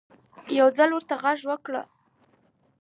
يو ځل ورته غږ وکړه